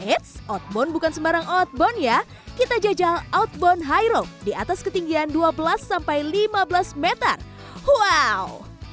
eits outbound bukan sembarang outbound ya kita jajal outbound high roll di atas ketinggian dua belas sampai lima belas meter wow